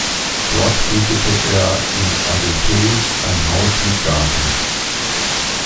Dort mietete er in Argenteuil ein Haus mit Garten.